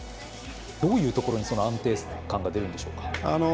どういうところにその安定感が出るんでしょうか？